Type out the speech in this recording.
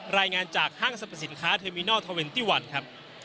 รายงานจากห้างสรรพสินค้าเทอร์มินอลทอเวนตี้วันครับ